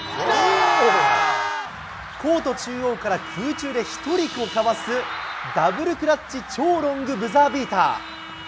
コート中央から空中で１人をかわす、ダブルクラッチ超ロングブザービーター。